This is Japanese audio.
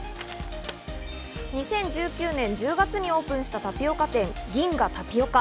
２０１９年１０月にオープンしたタピオカ店、銀河タピオカ。